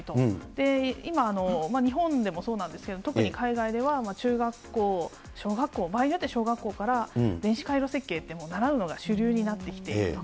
で、今、日本でもそうなんですけれども、特に海外では中学校、小学校、場合によっては小学校から電子回路設計って習うのが主流になってきていると。